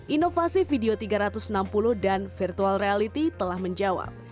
inovasi video tiga ratus enam puluh dan virtual reality telah menjawab